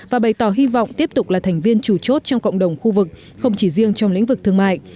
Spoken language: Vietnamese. và bày tỏ hy vọng tiếp tục là thành viên chủ chốt trong cộng đồng khu vực không chỉ riêng trong lĩnh vực thương mại